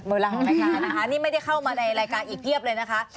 เวลาของรายการนะคะนี่ไม่ได้เข้ามาในรายการอีกเพียบเลยนะคะ